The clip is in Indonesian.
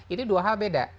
ini dua hal beda